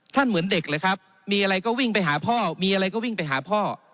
เหมือนเด็กเลยครับมีอะไรก็วิ่งไปหาพ่อมีอะไรก็วิ่งไปหาพ่อ